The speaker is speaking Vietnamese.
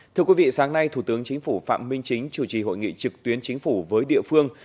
thưa quý vị sáng nay thủ tướng chính phủ phạm minh chính chủ trì hội nghị trực tuyến chính phủ với địa phương